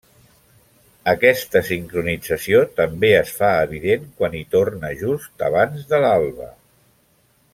Aquesta sincronització també es fa evident quan hi torna just abans de l'alba.